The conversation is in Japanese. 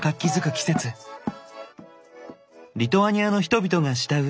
リトアニアの人々が慕う